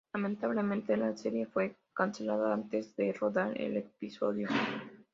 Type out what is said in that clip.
Lamentablemente, la serie fue cancelada antes de rodar el episodio.